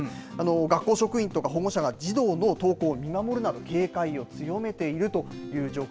学校職員とか保護者が児童の登校を見守るなど、警戒を強めているという状況。